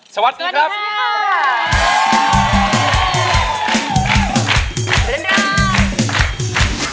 สวัสดีครับ